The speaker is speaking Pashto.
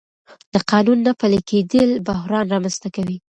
د قانون نه پلي کېدل بحران رامنځته کوي